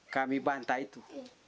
kami bantai itu